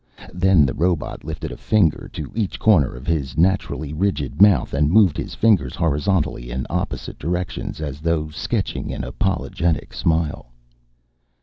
Then the robot lifted a finger to each corner of his naturally rigid mouth, and moved his fingers horizontally in opposite directions, as though sketching an apologetic smile.